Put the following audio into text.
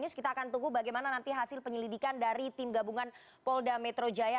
news kita akan tunggu bagaimana nanti hasil penyelidikan dari tim gabungan polda metro jaya